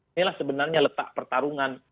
inilah sebenarnya letak pertarungan